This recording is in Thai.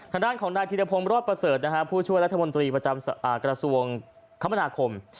ทางด้านของนายธิรพงศ์รอดประเสริฐผู้ช่วยรัฐมนตรีประจำกระทรวงคมนาคม